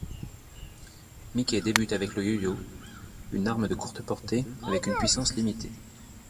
Mikey débute avec le yo-yo, une arme de courte portée avec une puissance limitée.